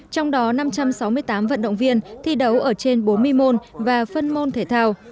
trong đó năm trăm sáu mươi tám vận động viên thi đấu ở trên bốn mươi môn và phân môn thể thao